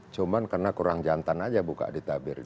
cuma karena kurang jantan aja buka di tabir